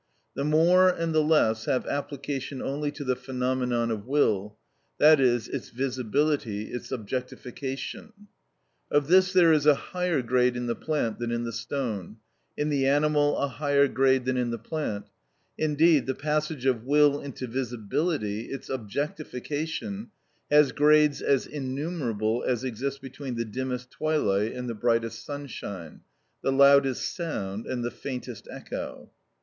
The more and the less have application only to the phenomenon of will, that is, its visibility, its objectification. Of this there is a higher grade in the plant than in the stone; in the animal a higher grade than in the plant: indeed, the passage of will into visibility, its objectification, has grades as innumerable as exist between the dimmest twilight and the brightest sunshine, the loudest sound and the faintest echo.